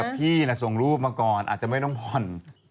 พี่ส่งรูปมาก่อนอาจจะไม่ต้องผ่อน